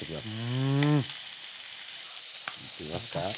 うん。いってみますか？